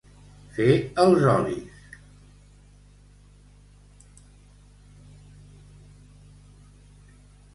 Fer els olis.